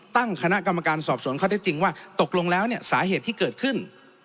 ตั้งคณะกรรมการสอบสวนข้อได้จริงว่าตกลงแล้วเนี่ยสาเหตุที่เกิดขึ้น